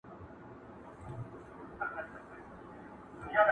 په زګېروي لېوه ورږغ کړله چي وروره٫